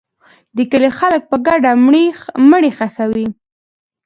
د کلي خلک په ګډه مړی ښخوي.